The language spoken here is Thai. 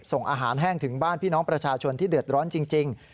ส่งอาหารแห้งถึงบ้านพี่น้องประชาชนที่เดือดร้อนจริง